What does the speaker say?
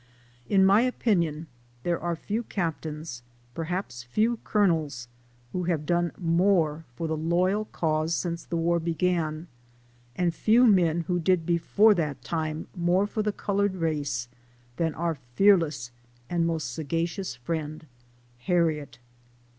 In my opinion there are few captains, perhaps few colonels, who have done more for the loyal cause since the war began, and few men who did before that time more for the colored race, than our fearless and most sagacious friend, Harriet.